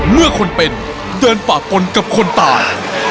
เมื่อคนเป็นเดินป่าปนกับคนตาย